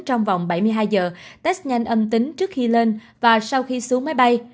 trong vòng bảy mươi hai giờ test nhanh âm tính trước khi lên và sau khi xuống máy bay